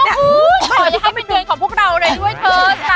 ขอให้เป็นเดือนของพวกเราเลยด้วยเถอะ